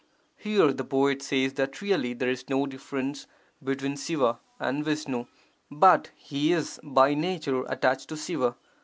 Here the poet says that really there is no difference between Siva and Visnu, but he is by nature attached to Siva.